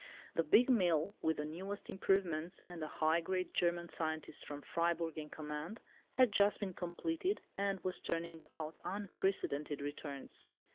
The big mill with the newest improvements, and a high grade German scientist from Freiburg in command, had just been completed and was turning out unprecedented returns.